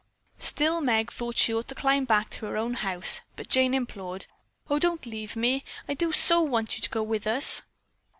Still Meg thought she ought to climb back to her own home, but Jane implored: "Oh, don't leave me! I do so want you to go with us."